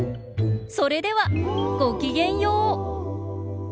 それではごきげんよう。